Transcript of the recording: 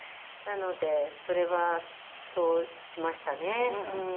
なのでそれはそうしましたね。